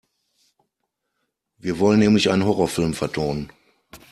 Wir wollen nämlich einen Horrorfilm vertonen.